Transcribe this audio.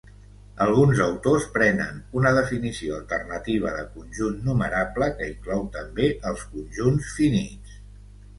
Alguns autors prenen una definició alternativa de conjunt numerable que inclou també els conjunts finits.